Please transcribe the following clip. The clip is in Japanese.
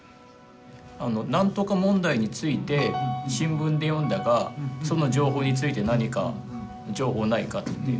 何とか問題について新聞で読んだがその情報について何か情報ないかっていう。